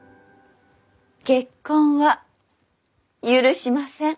結婚は許しません。